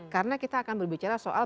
karena kita akan berbicara soal